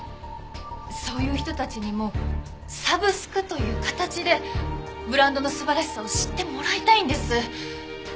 そういう人たちにもサブスクという形でブランドの素晴らしさを知ってもらいたいんです。